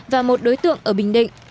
và một đối tượng ở bình định